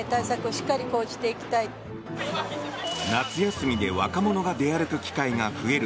夏休みで若者が出歩く機会が増える